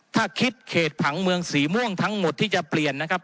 ถ้าคิดเขตผังเมืองสีม่วงทั้งหมดที่จะเปลี่ยนนะครับ